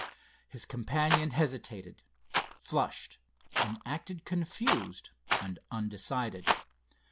His companion hesitated, flushed, and acted confused and undecided.